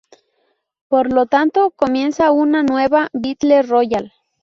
Por lo tanto, comienza una nueva Battle Royal.